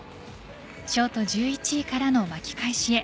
ショート１１位からの巻き返しへ。